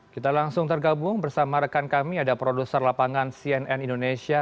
kita langsung tergabung bersama rekan kami ada produser lapangan cnn indonesia